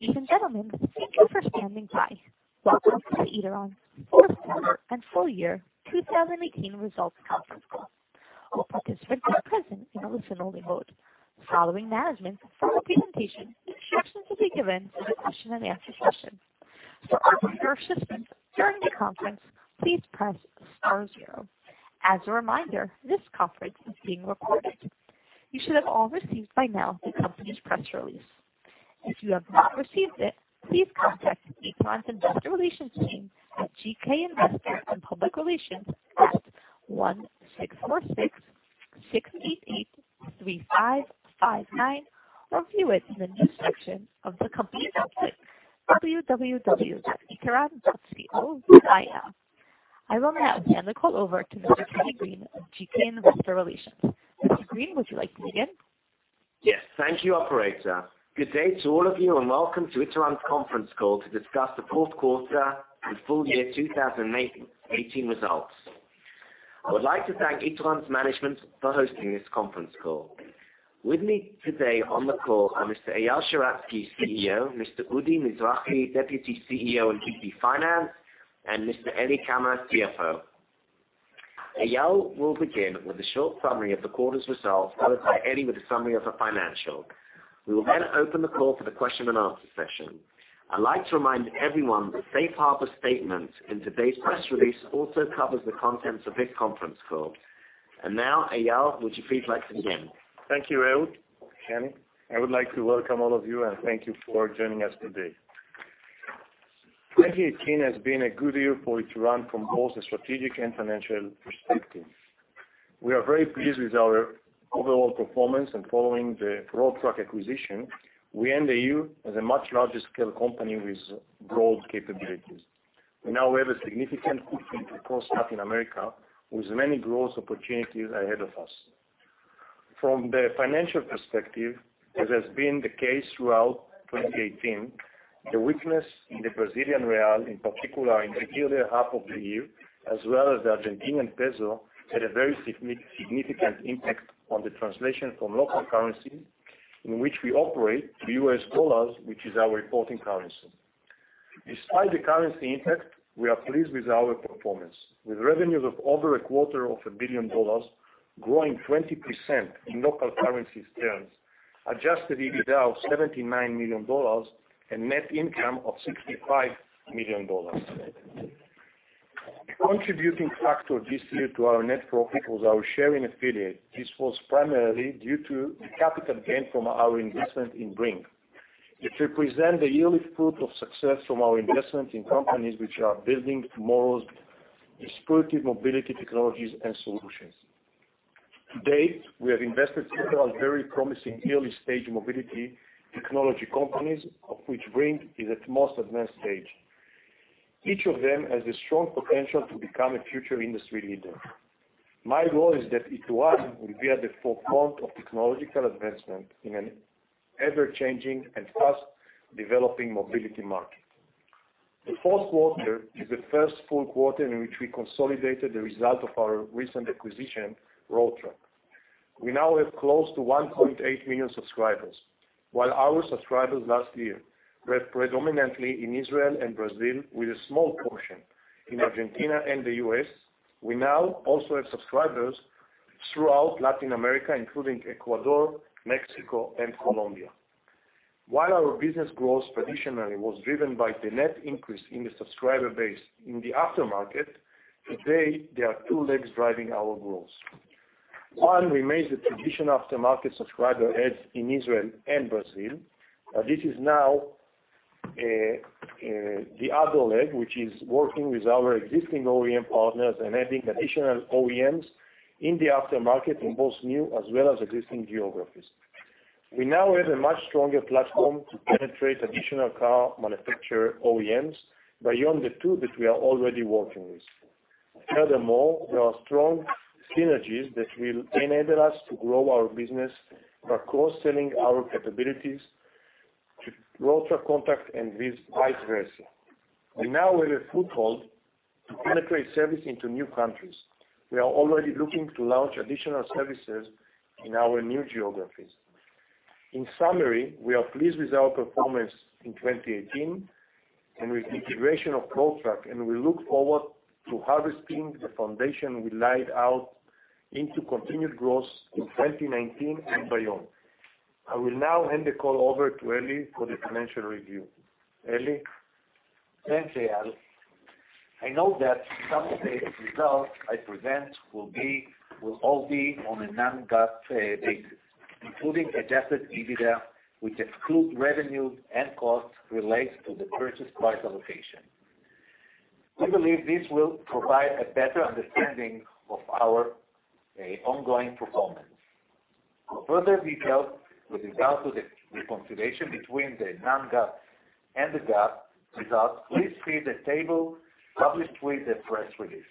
Ladies and gentlemen, thank you for standing by. Welcome to the Ituran Q4 and full-year 2018 results conference call. All participants are present in a listen-only mode. Following management's formal presentation, instructions will be given for the question-and-answer session. For operator assistance during the conference, please press star zero. As a reminder, this conference is being recorded. You should have all received by now the company's press release. If you have not received it, please contact Ituran's investor relations team at GK Investor & Public Relations at +1-646-688-3559 or view it in the news section of the company's website, www.ituran.co.il. I will now hand the call over to Mr. Kenny Green of GK Investor Relations. Mr. Green, would you like to begin? Yes. Thank you, operator. Good day to all of you, and welcome to Ituran's conference call to discuss the Q4 and full-year 2018 results. I would like to thank Ituran's management for hosting this conference call. With me today on the call are Mr. Eyal Sheratzky, CEO, Mr. Udi Mizrahi, Deputy CEO and VP of Finance, and Mr. Eli Kamer, CFO. Eyal will begin with a short summary of the quarter's results, followed by Eli with a summary of the financials. We will then open the call for the question and answer session. I'd like to remind everyone that the safe harbor statement in today's press release also covers the contents of this conference call. Now, Eyal, would you please like to begin? Thank you, [inaudible] Kenny. I would like to welcome all of you and thank you for joining us today. 2018 has been a good year for Ituran from both a strategic and financial perspective. We are very pleased with our overall performance and following the Road Track acquisition, we end the year as a much larger scale company with broad capabilities. We now have a significant footprint across Latin America with many growth opportunities ahead of us. From the financial perspective, as has been the case throughout 2018, the weakness in the Brazilian real, in particular in the earlier half of the year, as well as the Argentine peso, had a very significant impact on the translation from local currency, in which we operate, to U.S. dollars, which is our reporting currency. Despite the currency impact, we are pleased with our performance. With revenues of over a quarter of a billion dollars, growing 20% in local currency terms, adjusted EBITDA of $79 million, and net income of $65 million. The contributing factor this year to our net profit was our share in affiliate. This was primarily due to the capital gain from our investment in Bringg. It represents the yearly fruit of success from our investment in companies which are building tomorrow's disruptive mobility technologies and solutions. To date, we have invested several very promising early-stage mobility technology companies, of which Bringg is at most advanced stage. Each of them has a strong potential to become a future industry leader. My goal is that Ituran will be at the forefront of technological advancement in an ever-changing and fast-developing mobility market. The Q4 is the first full quarter in which we consolidated the result of our recent acquisition, Road Track. We now have close to 1.8 million subscribers. While our subscribers last year were predominantly in Israel and Brazil, with a small portion in Argentina and the U.S., we now also have subscribers throughout Latin America, including Ecuador, Mexico, and Colombia. While our business growth traditionally was driven by the net increase in the subscriber base in the aftermarket, today there are two legs driving our growth. One remains the traditional aftermarket subscriber adds in Israel and Brazil. This is now the other leg, which is working with our existing OEM partners and adding additional OEMs in the aftermarket in both new as well as existing geographies. We now have a much stronger platform to penetrate additional car manufacturer OEMs beyond the two that we are already working with. Furthermore, there are strong synergies that will enable us to grow our business by cross-selling our capabilities to Road Track contract and vice versa. We now have a foothold to penetrate service into new countries. We are already looking to launch additional services in our new geographies. In summary, we are pleased with our performance in 2018 and with the integration of Road Track, and we look forward to harvesting the foundation we laid out into continued growth in 2019 and beyond. I will now hand the call over to Eli for the financial review. Eli? Thanks, Eyal. I note that some of the results I present will all be on a non-GAAP basis, including adjusted EBITDA, which excludes revenue and costs related to the purchase price allocation. We believe this will provide a better understanding of our ongoing performance. For further details with regard to the reconciliation between the non-GAAP and the GAAP results, please see the table published with the press release.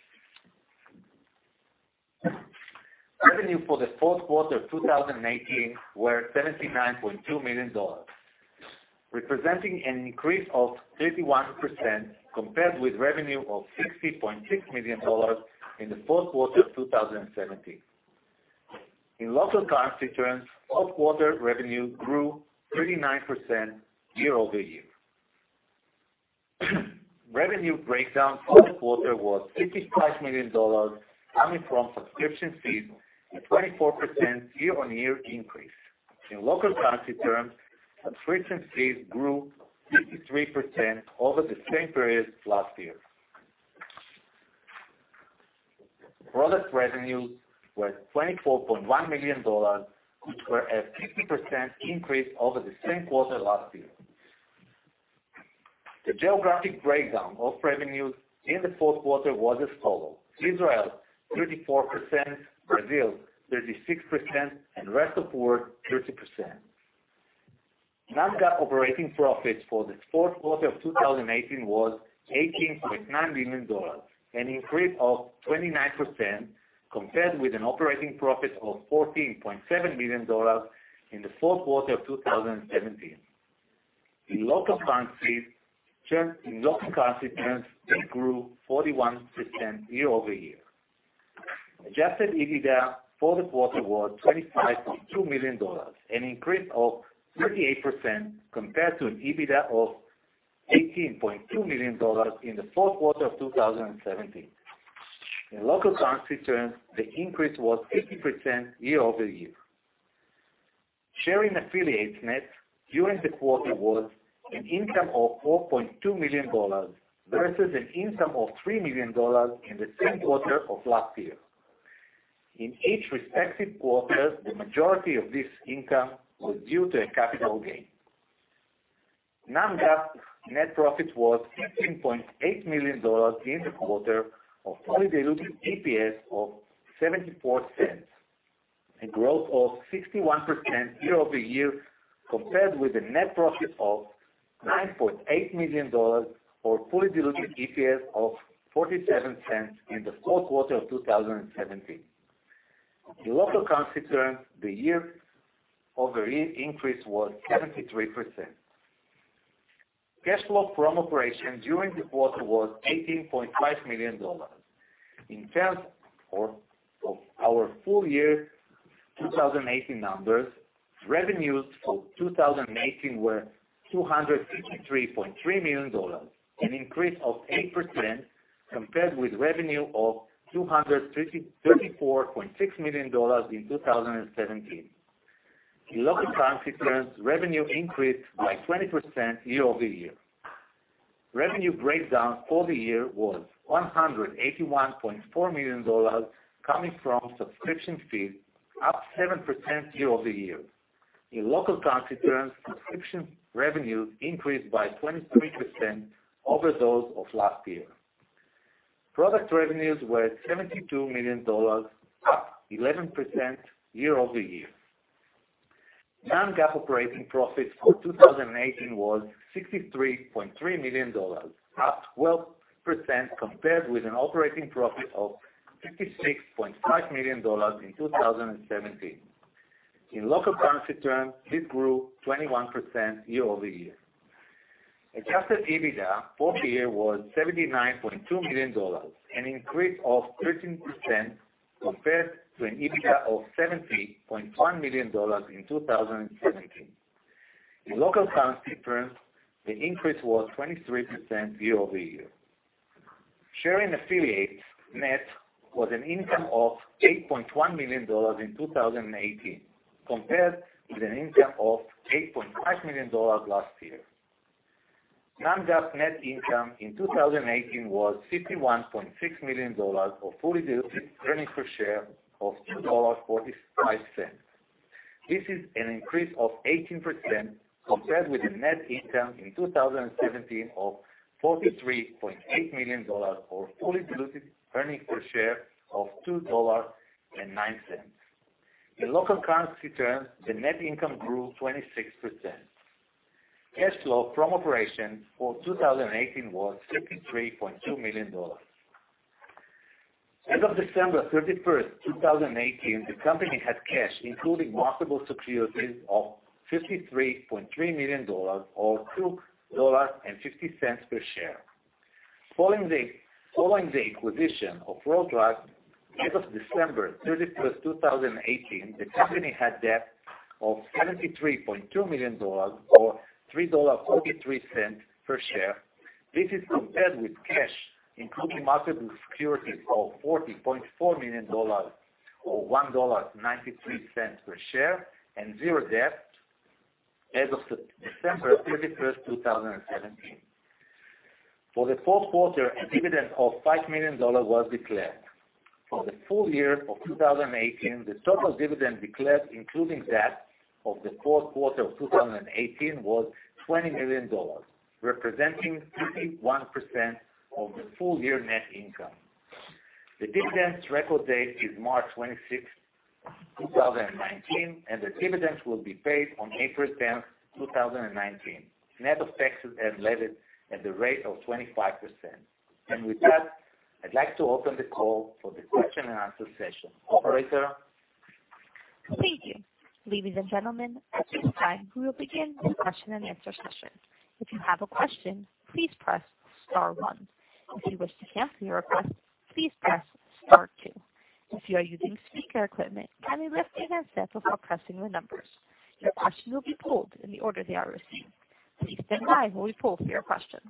Revenue for the Q4 2018 were $79.2 million, representing an increase of 31% compared with revenue of $60.6 million in the Q4 of 2017. In local currency terms, Q4 revenue grew 39% year-over-year. Revenue breakdown Q4 was $55 million coming from subscription fees, a 24% year-on-year increase. In local currency terms, subscription fees grew 53% over the same period last year. Product revenues were $24.1 million, which were a 50% increase over the same quarter last year. The geographic breakdown of revenues in the Q4 was as follows: Israel 34%, Brazil 36%, and rest of world 30%. Non-GAAP operating profits for the Q4 of 2018 was $18.9 million, an increase of 29%, compared with an operating profit of $14.7 million in the Q4 of 2017. In local currency terms, it grew 41% year-over-year. Adjusted EBITDA for the quarter was $25.2 million, an increase of 38% compared to an EBITDA of $18.2 million in the Q4 of 2017. In local currency terms, the increase was 50% year-over-year. Share in affiliates net during the quarter was an income of $4.2 million versus an income of $3 million in the same quarter of last year. In each respective quarter, the majority of this income was due to a capital gain. Non-GAAP net profit was $15.8 million in the quarter of fully diluted EPS of $0.74, a growth of 61% year-over-year compared with the net profit of $9.8 million or fully diluted EPS of $0.47 in the Q4 of 2017. In local currency terms, the year-over-year increase was 73%. Cash flow from operations during the quarter was $18.5 million. In terms of our full-year 2018 numbers, revenues for 2018 were $253.3 million, an increase of 8% compared with revenue of $234.6 million in 2017. In local currency terms, revenue increased by 20% year-over-year. Revenue breakdown for the year was $181.4 million coming from subscription fees, up 7% year-over-year. In local currency terms, subscription revenue increased by 23% over those of last year. Product revenues were $72 million, up 11% year-over-year. Non-GAAP operating profit for 2018 was $63.3 million, up 12% compared with an operating profit of $56.5 million in 2017. In local currency terms, this grew 21% year-over-year. Adjusted EBITDA for the year was $79.2 million, an increase of 13% compared to an EBITDA of $70.1 million in 2017. In local currency terms, the increase was 23% year-over-year. Share in affiliates net was an income of $8.1 million in 2018 compared with an income of $8.5 million last year. Non-GAAP net income in 2018 was $51.6 million of fully diluted earnings per share of $2.45. This is an increase of 18% compared with the net income in 2017 of $43.8 million or fully diluted earnings per share of $2.09. In local currency terms, the net income grew 26%. Cash flow from operations for 2018 was $53.2 million. As of December 31st, 2018, the company had cash, including marketable securities, of $53.3 million or $2.50 per share. Following the acquisition of Road Track, as of December 31st, 2018, the company had debt of $73.2 million or $3.43 per share. This is compared with cash, including marketable securities, of $40.4 million or $1.93 per share, and zero debt as of December 31st, 2017. For the Q4, a dividend of $5 million was declared. For the full-year of 2018, the total dividend declared, including that of the Q4 of 2018, was $20 million, representing 51% of the full-year net income. The dividend's record date is March 26th, 2019, and the dividend will be paid on April 10th, 2019, net of taxes as levied at the rate of 25%. With that, I'd like to open the call for the question-and-answer session. Operator? Ladies and gentlemen, at this time, we will begin the question-and-answer session. If you have a question, please press star one. If you wish to cancel your request, please press star two. If you are using speaker equipment, kindly lift the headset before pressing the numbers. Your questions will be pulled in the order they are received. Please stand by while we pull for your questions.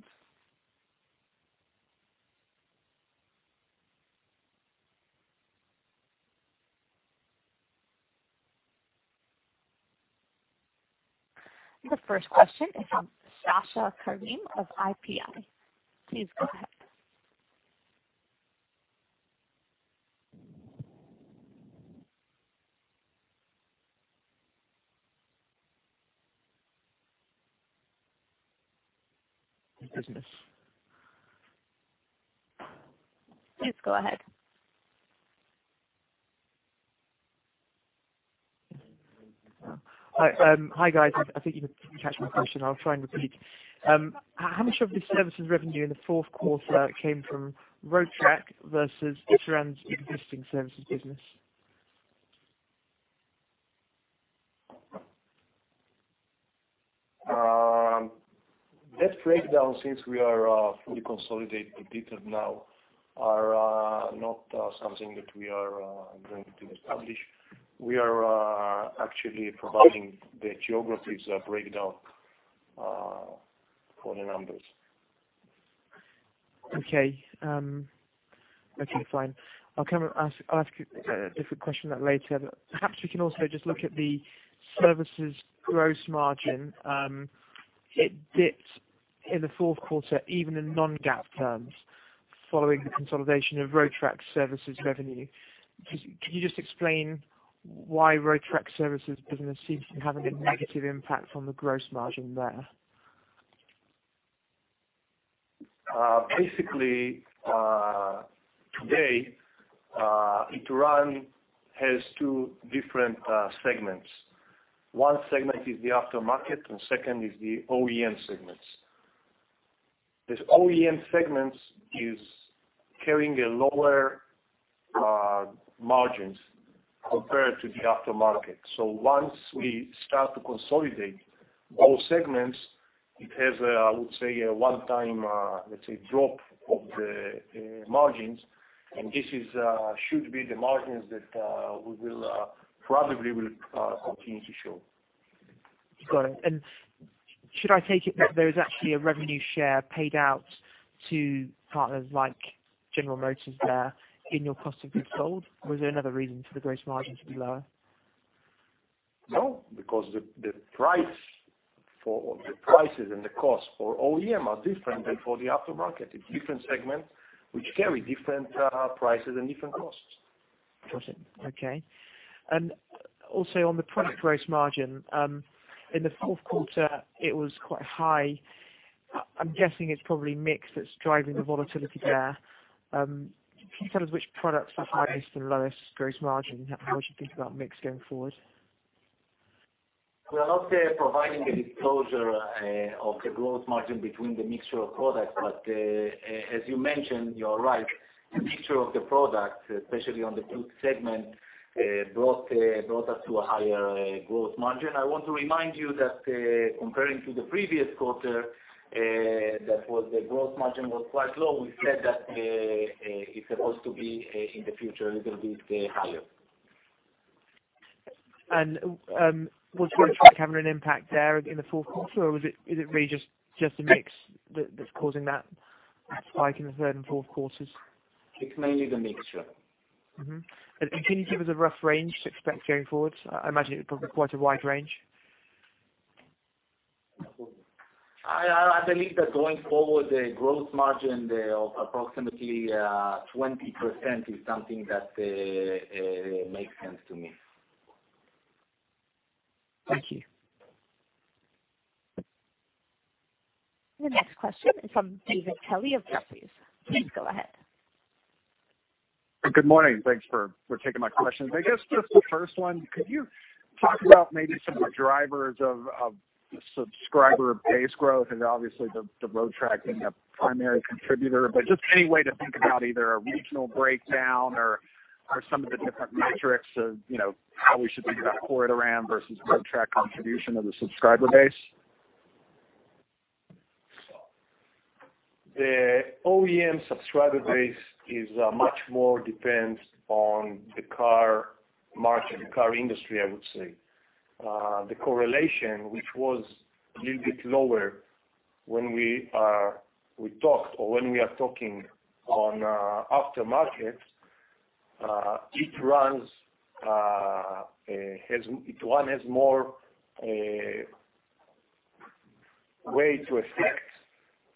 The first question is from [Sasha Karim] of IPI. Please go ahead. Business. Please go ahead. Hi. Hi, guys. I think you didn't catch my question. I'll try and repeat. How much of the services revenue in the Q4 came from Road Track versus Ituran's existing services business? That breakdown, since we are fully consolidated, completed now, are not something that we are going to establish. We are actually providing the geographies breakdown for the numbers. Okay. Okay, fine. I'll ask you a different question later, but perhaps we can also just look at the services gross margin. It dipped in the Q4, even in non-GAAP terms, following the consolidation of Road Track services revenue. Could you just explain why Road Track services business seems to be having a negative impact on the gross margin there? Basically, today, Ituran has two different segments. One segment is the aftermarket, and second is the OEM segments. This OEM segments is carrying a lower margins compared to the aftermarket. Once we start to consolidate those segments, it has a, I would say, a one-time drop of the margins, and this should be the margins that we will probably continue to show. Got it. Should I take it that there is actually a revenue share paid out to partners like General Motors there in your cost of goods sold? Or is there another reason for the gross margin to be lower? No, because the prices and the cost for OEM are different than for the aftermarket. It's different segments which carry different prices and different costs. Got it. Okay. Also, on the product gross margin. In the Q4, it was quite high. I'm guessing it's probably mix that's driving the volatility there. Can you tell us which products have highest and lowest gross margin? How would you think about mix going forward? We are not providing a disclosure of the gross margin between the mixture of products. As you mentioned, you are right. The mixture of the product, especially on the fleet segment, brought us to a higher gross margin. I want to remind you that comparing to the previous quarter, the gross margin was quite low. We said that it is supposed to be, in the future, a little bit higher. Was Road Track having an impact there in the Q4, or is it really just a mix that's causing that spike in the third and Q4s? It's mainly the mixture. Mm-hmm. Can you give us a rough range to expect going forward? I imagine it's probably quite a wide range. I believe that going forward, the gross margin of approximately 20% is something that makes sense to me. Thank you. The next question is from David Kelley of Jefferies. Please go ahead. Good morning. Thanks for taking my questions. I guess, just the first one, could you talk about maybe some of the drivers of the subscriber base growth? Obviously, the Road Track being a primary contributor. Just any way to think about either a regional breakdown or some of the different metrics of how we should think about core Ituran versus Road Track contribution of the subscriber base. The OEM subscriber base is much more dependent on the car market, the car industry, I would say. The correlation, which was a little bit lower when we talked or when we are talking on aftermarket, Ituran has more way to affect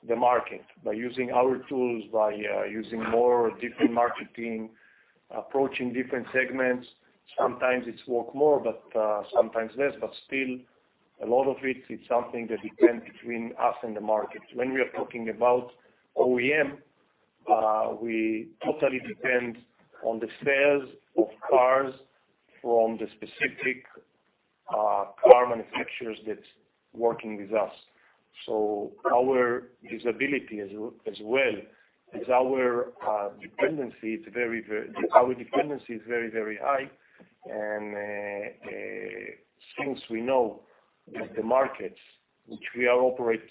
the market by using our tools, by using more different marketing, approaching different segments. Sometimes it's work more, but sometimes less. Still, a lot of it is something that depends between us and the market. When we are talking about OEM, we totally depend on the sales of cars from the specific car manufacturers that's working with us. Our visibility as well as our dependency is very high. Since we know that the markets which we operate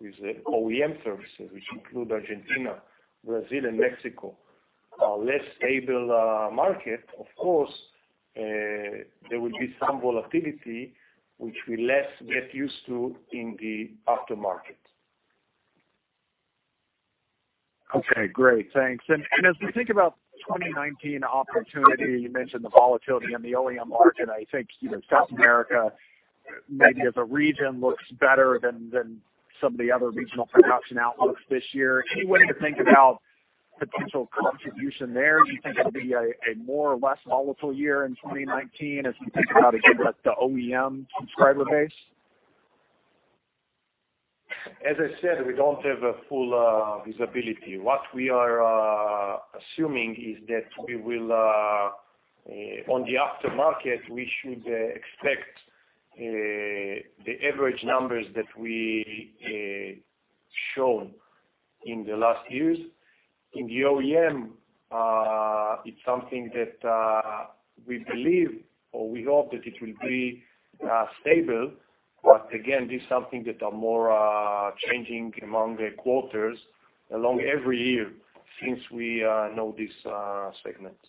with the OEM services, which include Argentina, Brazil, and Mexico, are less stable market, of course, there will be some volatility, which we less get used to in the aftermarket. Okay, great. Thanks. As we think about 2019 opportunity, you mentioned the volatility in the OEM market, I think South America, maybe as a region, looks better than some of the other regional production outlooks this year. Any way to think about potential contribution there? Do you think it'll be a more or less volatile year in 2019 as we think about, again, the OEM subscriber base? As I said, we don't have a full visibility. What we are assuming is that on the aftermarket, we should expect the average numbers that we shown in the last years. In the OEM, it's something that we believe, or we hope that it will be stable. Again, this is something that are more changing among the quarters along every year since we know these segments.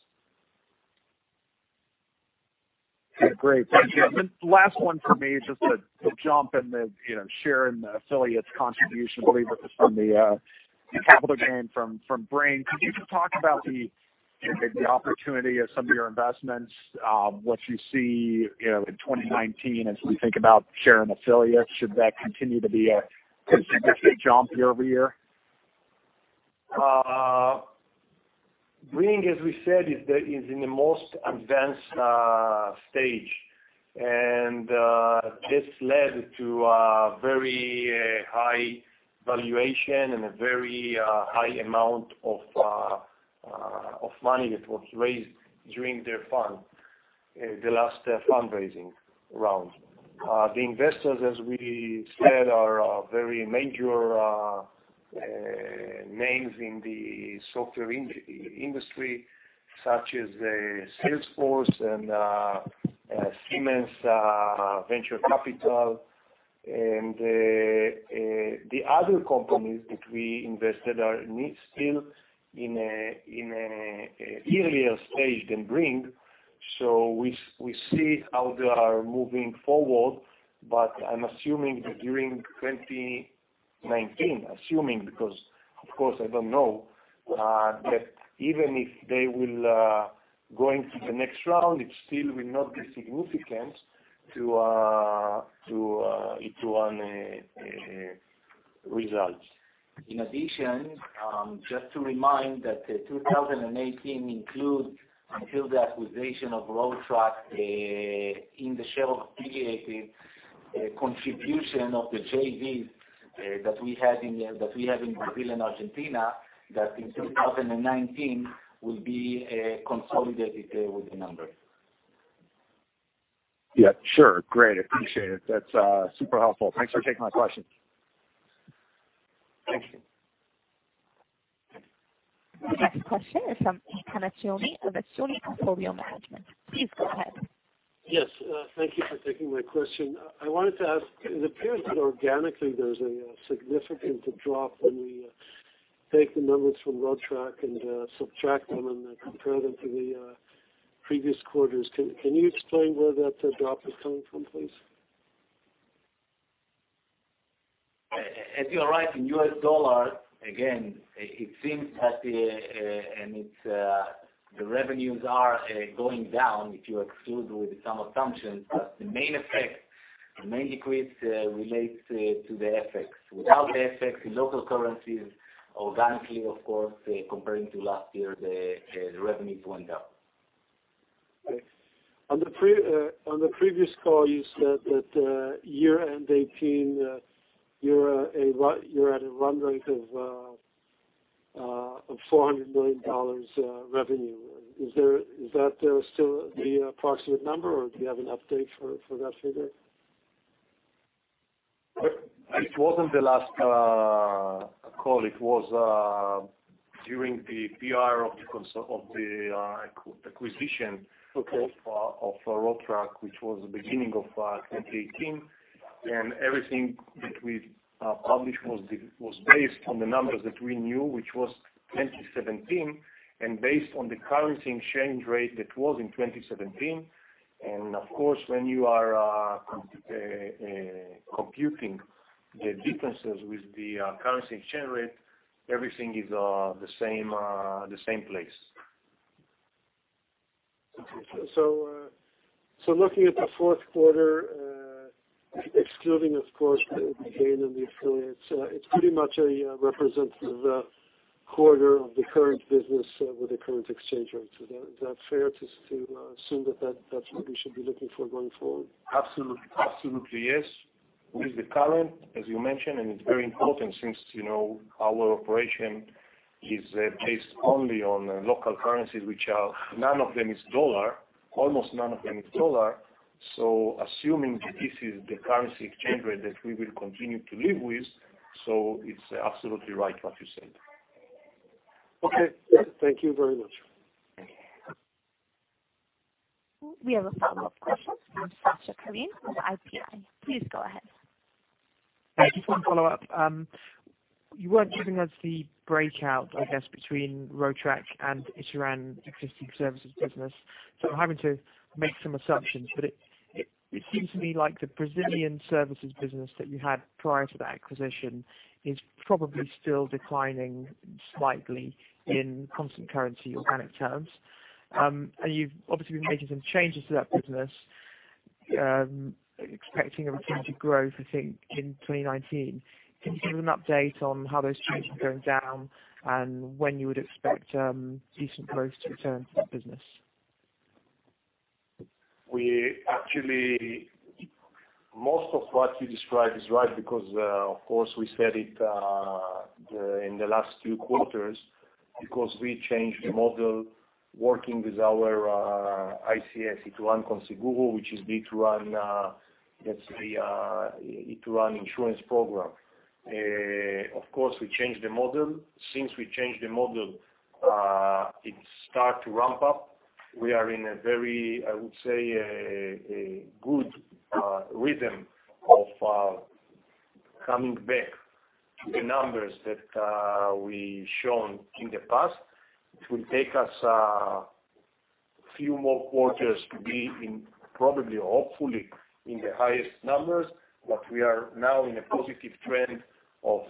Great. Thank you. Last one from me, just to jump in the share in the affiliates contribution, I believe it was from the capital gain from Bringg. Could you just talk about the opportunity of some of your investments, what you see in 2019 as we think about share and affiliates? Should that continue to be a significant jump year-over-year? Bringg, as we said, is in the most advanced stage, this led to a very high valuation and a very high amount of money that was raised during their fund, the last fundraising round. The investors, as we said, are very major names in the software industry, such as Salesforce and Siemens Venture Capital. The other companies that we invested are still in an earlier stage than Bringg, we see how they are moving forward. I'm assuming that during 2019, assuming because, of course, I don't know, that even if they will go into the next round, it still will not be significant to Ituran's result. In addition, just to remind that 2018 includes, until the acquisition of Road Track, in the share of affiliated, contribution of the JVs that we have in Brazil and Argentina, that in 2019 will be consolidated with the numbers. Yeah, sure. Great. I appreciate it. That's super helpful. Thanks for taking my questions. Thank you. The next question is from [Eitan Assoni] of [Assoni] Portfolio Management. Please go ahead. Yes, thank you for taking my question. I wanted to ask, it appears that organically, there's a significant drop when we take the numbers from Road Track and subtract them and then compare them to the previous quarters. Can you explain where that drop is coming from, please? You're right. In US dollars, again, it seems that the revenues are going down if you exclude with some assumptions, but the main effect, the main decrease relates to the FX. Without the FX, in local currencies, organically, of course, comparing to last year, the revenues went up. Right. On the previous call, you said that year-end 2018, you're at a run rate of $400 million revenue. Is that still the approximate number, or do you have an update for that figure? It wasn't the last call. It was during the PR of the acquisition. Okay. Of Road Track, which was the beginning of 2018. Everything that we published was based on the numbers that we knew, which was 2017, and based on the currency exchange rate that was in 2017. Of course, when you are computing the differences with the currency exchange rate, everything is the same place. Looking at the Q4, excluding, of course, the gain in the affiliates, it pretty much represents the quarter of the current business with the current exchange rates. Is that fair to assume that that's what we should be looking for going forward? Absolutely. Yes. With the current, as you mentioned, and it's very important since our operation is based only on local currencies, which are none of them is dollar, almost none of them is dollar. Assuming that this is the currency exchange rate that we will continue to live with, it's absolutely right what you said. Okay. Thank you very much. Okay. We have a follow-up question from [Sasha Karim] from IPI. Please go ahead. Just one follow-up. You weren't giving us the breakout, I guess, between Road Track and Ituran existing services business. I'm having to make some assumptions, but it seems to me like the Brazilian services business that you had prior to that acquisition is probably still declining slightly in constant currency organic terms. You've obviously been making some changes to that business, expecting a return to growth, I think, in 2019. Can you give an update on how those changes are going down and when you would expect decent growth to return to that business? Actually, most of what you described is right because, of course, we said it in the last two quarters because we changed the model working with our ICS, Ituran Com Seguro, which is the Ituran insurance program. Of course, we changed the model. Since we changed the model, it start to ramp up. We are in a very, I would say, good rhythm of coming back to the numbers that we've shown in the past. It will take us a few more quarters to be in probably or hopefully in the highest numbers, but we are now in a positive trend of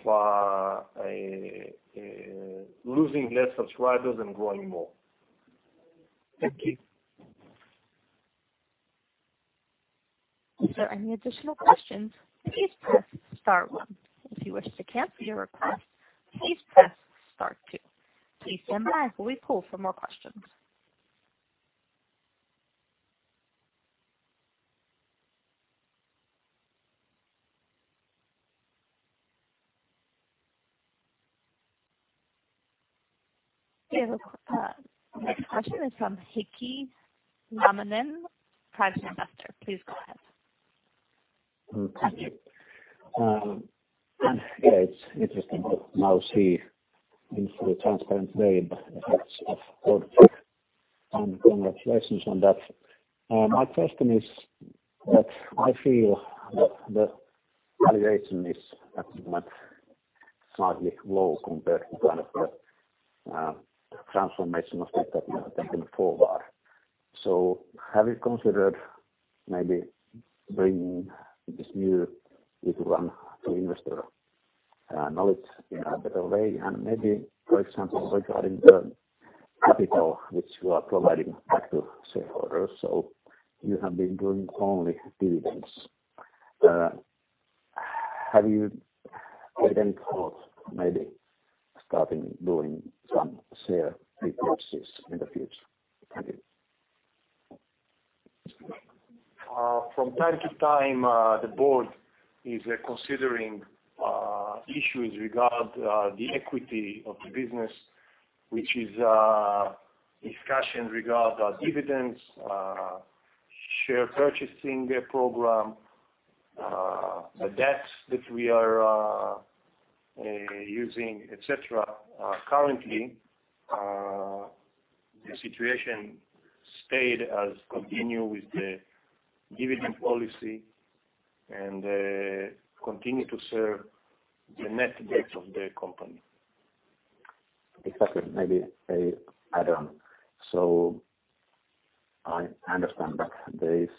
losing less subscribers and growing more. Thank you. If there are any additional questions, please press star one. If you wish to cancel your request, please press star two. Please stand by while we poll for more questions. We have a next question is from [Heikki Lamminen], Private Investor. Please go ahead. Thank you. Yeah, it's interesting to now see in full transparent way the. Congratulations on that. My question is that I feel that the valuation is at the moment slightly low compared to kind of the transformation of forward. Have you considered maybe bringing this new Ituran to investor knowledge in a better way? Maybe, for example, regarding the capital which you are providing back to shareholders. You have been doing only dividends. Have you given thought maybe starting doing some share repurchases in the future? Thank you. From time to time, the board is considering issues regarding the equity of the business, which is discussion regarding dividends, share purchasing program, the debt that we are using, et cetera. Currently, the situation stayed as continue with the dividend policy and continue to serve the net debt of the company. Exactly. Maybe a add on. I understand that there is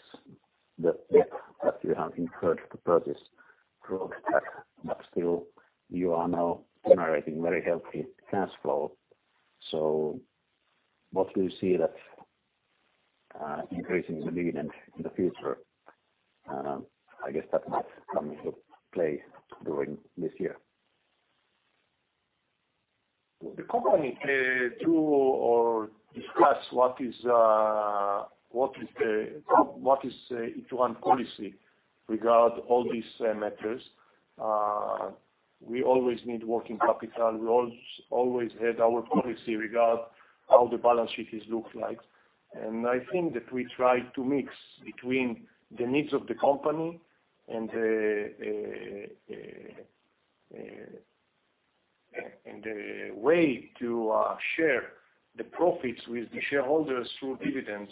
the debt that you have incurred to purchase Road Track, but still you are now generating very healthy cash flow. What do you see that increasing the dividend in the future? I guess that might come into play during this year. The company to discuss what is Ituran policy regard all these matters. We always need working capital. We always had our policy regard how the balance sheet is look like. I think that we try to mix between the needs of the company and the way to share the profits with the shareholders through dividends.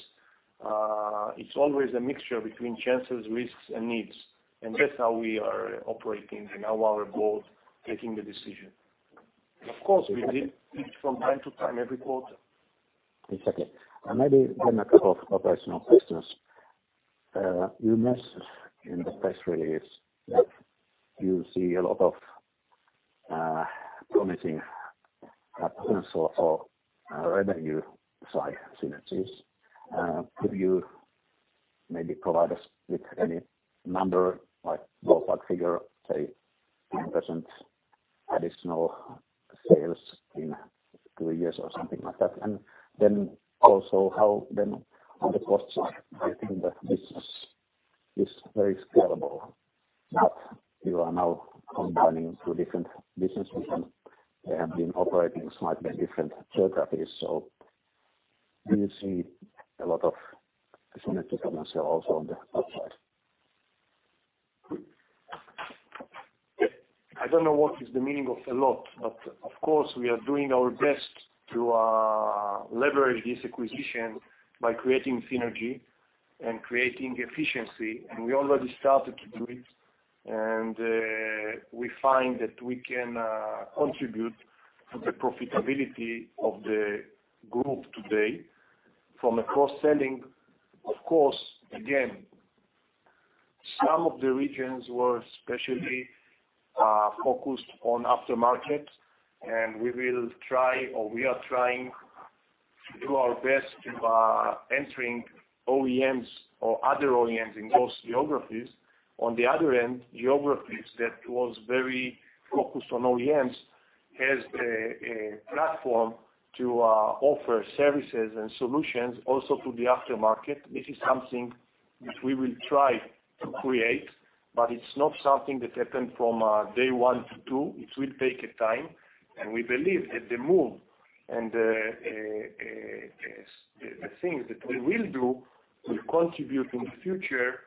It's always a mixture between chances, risks, and needs, and that's how we are operating and how our board taking the decision. Of course, we did it from time to time every quarter. Exactly. Maybe then a couple of operational questions. You mentioned in the press release that you see a lot of promising potential for revenue-side synergies. Could you maybe provide us with any number, like ballpark figure, say 10% additional sales in two years or something like that? Then also how then are the costs driving the business? It is very scalable. You are now combining two different business systems. They have been operating slightly in different geographies. Do you see a lot of synergy from this also on the upside? I don't know what is the meaning of a lot, but of course, we are doing our best to leverage this acquisition by creating synergy and creating efficiency, we already started to do it. We find that we can contribute to the profitability of the group today from a cross-selling. Of course, again, some of the regions were especially focused on aftermarket, we will try or we are trying to do our best to entering OEMs or other OEMs in those geographies. On the other hand, geographies that was very focused on OEMs has a platform to offer services and solutions also to the aftermarket. This is something that we will try to create, but it's not something that happens from day one to two. It will take time, we believe that the move and the things that we will do will contribute in the future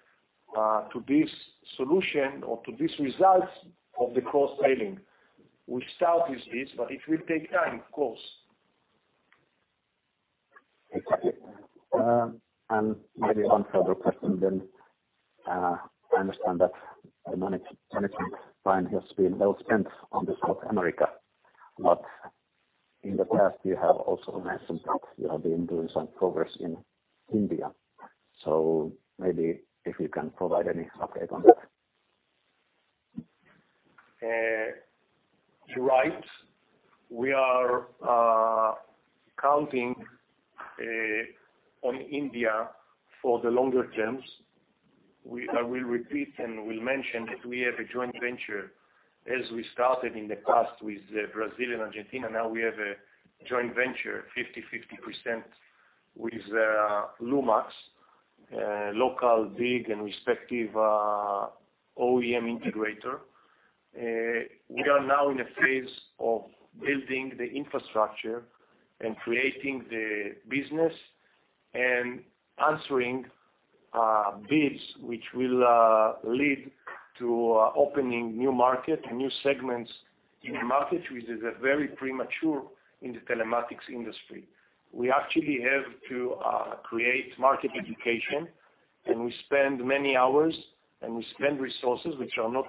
to this solution or to these results of the cross-selling. We start with this, but it will take time, of course. Exactly. Maybe one further question then. I understand that the money spent has been well spent on South America. In the past, you have also mentioned that you have been doing some progress in India. Maybe if you can provide any update on that. You're right. We are counting on India for the longer terms. I will repeat, will mention that we have a joint venture, as we started in the past with Brazil and Argentina. Now we have a joint venture, 50/50% with Lumax, local big and respective OEM integrator. We are now in a phase of building the infrastructure and creating the business and answering bids, which will lead to opening new market, new segments in the market, which is very premature in the telematics industry. We actually have to create market education, we spend many hours, and we spend resources which are not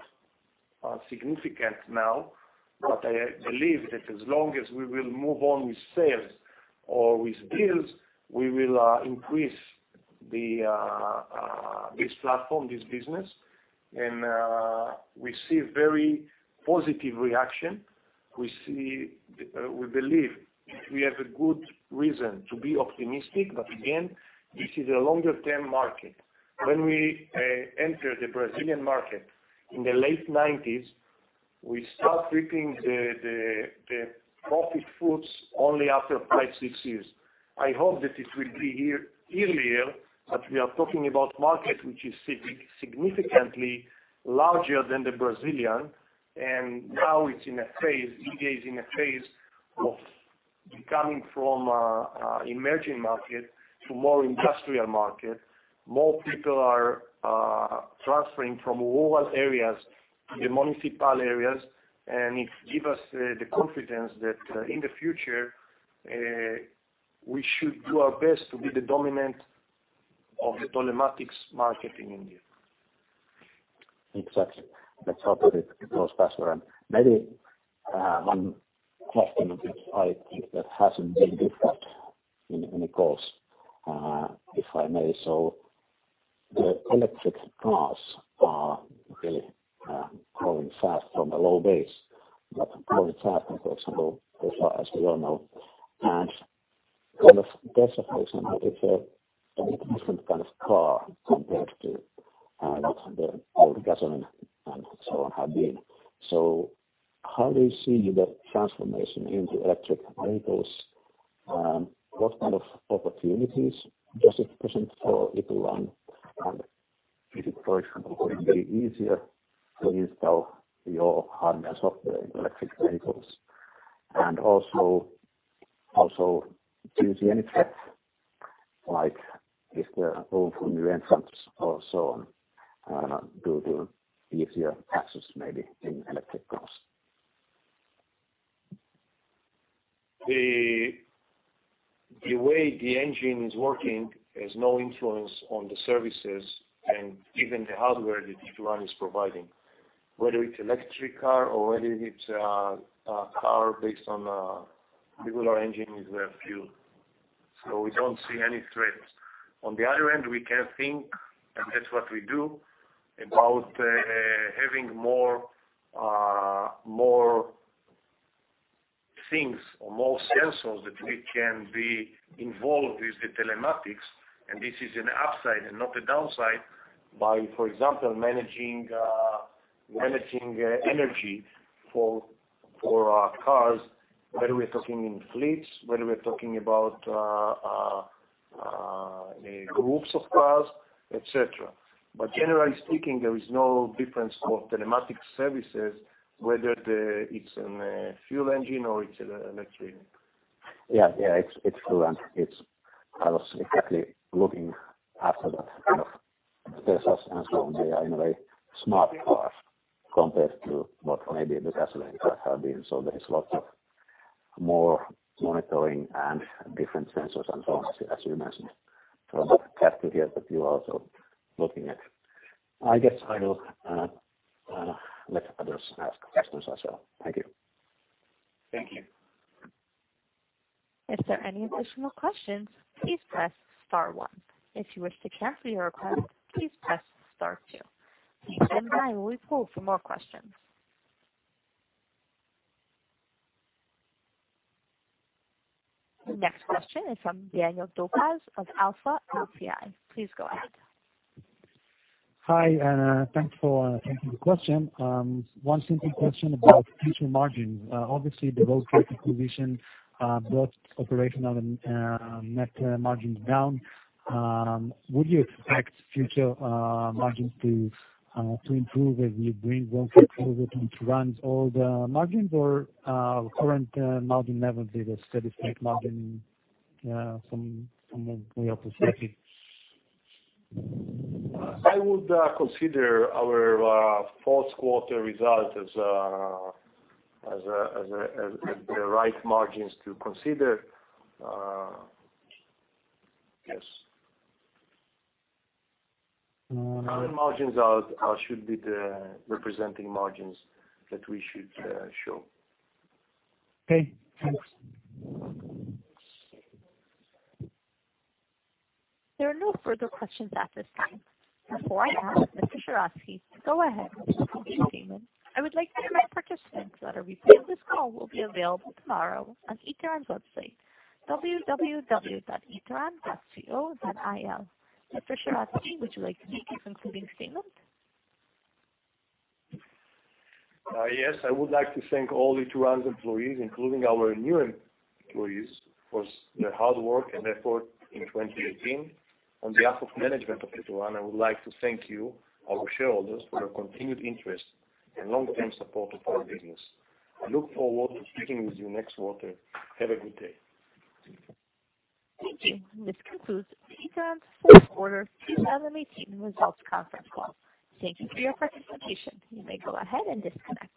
significant now. I believe that as long as we will move on with sales or with deals, we will increase this platform, this business. We see very positive reaction. We believe we have a good reason to be optimistic. Again, this is a longer-term market. When we entered the Brazilian market in the late '90s, we start reaping the profit fruits only after five, six years. I hope that it will be here earlier, but we are talking about market which is significantly larger than the Brazilian, and now India is in a phase of coming from emerging market to more industrial market. More people are transferring from rural areas to the municipal areas, and it gives us the confidence that in the future, we should do our best to be the dominant of the telematics market in India. Exactly. Let's hope that it goes faster. Maybe one question that I think that hasn't been discussed in the calls, if I may. The electric cars are really growing fast from a low base, but growing fast, for example, as far as we all know. Tesla, for example, is a different kind of car compared to the old gasoline and so on have been. How do you see the transformation into electric vehicles? What kind of opportunities does it present for Ituran? Is it, for example, going to be easier to install your hardware and software in electric vehicles? Also, do you see any threats, like if the room for new entrants or so on, due to easier access maybe in electric cars? The way the engine is working has no influence on the services and even the hardware that Ituran is providing, whether it's electric car or whether it's a car based on regular engine with a fuel. We don't see any threats. On the other hand, we can think, and that's what we do, about having more things or more sensors that we can be involved with the telematics, and this is an upside and not a downside by, for example, managing energy for our cars, whether we're talking in fleets, whether we're talking about groups of cars, et cetera. Generally speaking, there is no difference for telematics services, whether it's in a fuel engine or it's electric. Yeah. It's fluent. I was exactly looking after that. Teslas and so on, they are in a way smart cars compared to what maybe the gasoline cars have been. There is lots of more monitoring and different sensors and so on, as you mentioned. That's good to hear that you're also looking at. I guess I will let others ask questions as well. Thank you. Thank you. If there are any additional questions, please press star one. If you wish to cancel your request, please press star two. The standby will poll for more questions. The next question is from Daniel [Dopaz] of [Alpha PI]. Please go ahead. Hi, thank you for taking the question. One simple question about future margins. Obviously, the Road Track acquisition brought operational and net margins down. Would you expect future margins to improve as you bring Road Track fully up to Ituran's old margins or current margin levels is a steady-state margin from your perspective? I would consider our Q4 result as the right margins to consider. Yes. Our margins should be representing margins that we should show. Okay. Thanks. There are no further questions at this time. Before I ask Mr. Sheratzky to go ahead with his concluding statement, I would like to remind participants that a replay of this call will be available tomorrow on Ituran's website, www.ituran.co.il. Mr. Sheratzky, would you like to make your concluding statement? Yes, I would like to thank all Ituran's employees, including our new employees, for their hard work and effort in 2018. On behalf of management of Ituran, I would like to thank you, our shareholders, for your continued interest and long-term support of our business. I look forward to speaking with you next quarter. Have a good day. Thank you. This concludes Ituran's Q4 2018 Results Conference Call. Thank you for your participation. You may go ahead and disconnect.